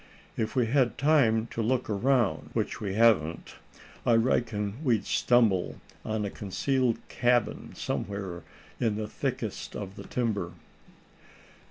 If we had time to look around, which we haven't, I reckon we'd stumble on a concealed cabin somewhere in the thickest of the timber."